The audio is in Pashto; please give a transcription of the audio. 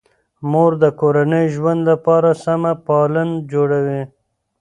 مور د کورني ژوند لپاره سمه پالن جوړوي.